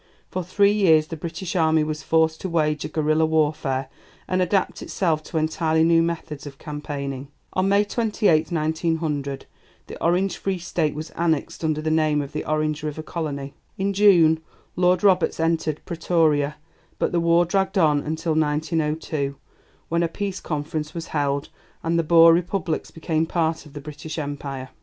For three years the British army was forced to wage a guerilla warfare, and adapt itself to entirely new methods of campaigning. On May 28, 1900, the Orange Free State was annexed under the name of the Orange River Colony. In June Lord Roberts entered Pretoria, but the war dragged on until 1902, when a Peace Conference was held and the Boer Republics became part of the British Empire.